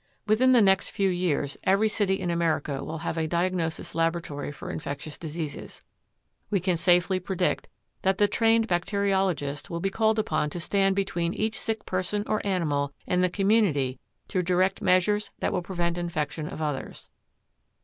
Within the next few years every city in America will have a diagnosis laboratory for infectious diseases. We can safely predict that the trained bacteriologist will be called upon to stand between each sick person or animal and the community to direct measures that will prevent infection of others.